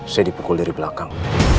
saya dipukul dari belakang